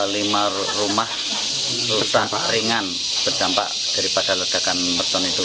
lima rumah rusak ringan berdampak daripada ledakan merton itu